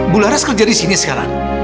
bularas kerja disini sekarang